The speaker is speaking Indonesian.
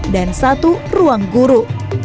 dan satu ruang guru